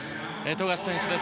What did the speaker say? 富樫選手です。